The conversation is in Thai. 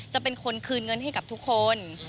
จะเป็นคนคืนเงินให้กับทุกคน